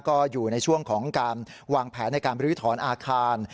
ก็อยู่ในช่วงของการวางแผนในการบรื้อถอนอาคาร